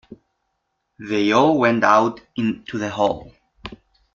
They all went out into the hall.